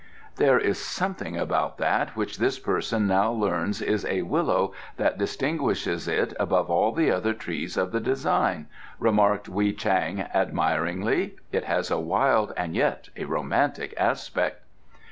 "There is something about that which this person now learns is a willow that distinguishes it above all the other trees of the design," remarked Wei Chang admiringly. "It has a wild and yet a romantic aspect."